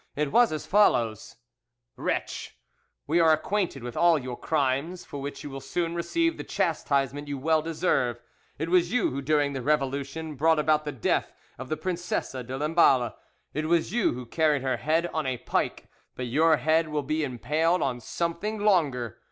It was as follows: "'Wretch,—We are acquainted with all your crimes, for which you will soon receive the chastisement you well deserve. It was you who during the revolution brought about the death of the Princesse de Lamballe; it was you who carried her head on a pike, but your head will be impaled on something longer.